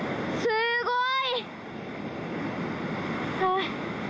すごい。